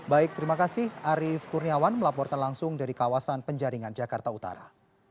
baik terima kasih arief kurniawan melaporkan langsung dari kawasan penjaringan jakarta utara